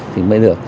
thì mới được